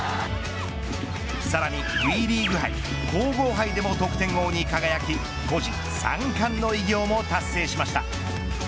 さらにＷＥリーグ杯皇后杯でも得点王に輝き個人三冠の偉業も達成しました。